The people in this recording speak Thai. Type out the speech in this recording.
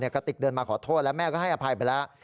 กระติกเดินมาขอโทษแล้วแม่ก็ให้อภัยไปแล้ว